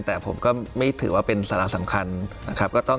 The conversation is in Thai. แต่ผมก็ไม่ถือว่าเป็นสาระสำคัญนะครับ